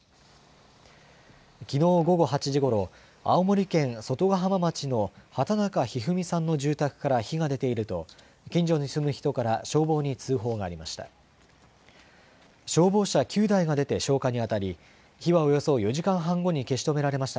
きのう午後８時ごろ、青森県外ヶ浜町の畑中一二三さんの住宅から火が出ていると近所に住む人から消防に通報がありました。